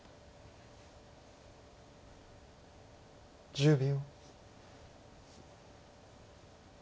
１０秒。